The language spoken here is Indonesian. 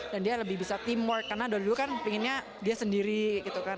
dan dia lebih bisa teamwork karena dulu kan pinginnya dia sendiri gitu kan